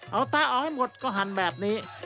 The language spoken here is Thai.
เอาตาออกให้หมดก็หั่นแบบนี้